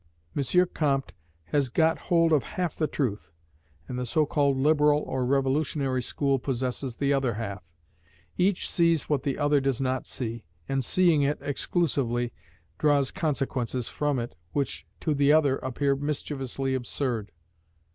M. Comte has got hold of half the truth, and the so called liberal or revolutionary school possesses the other half; each sees what the other does not see, and seeing it exclusively, draws consequences from it which to the other appear mischievously absurd.